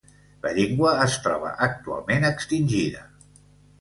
La llengua es troba actualment extingida.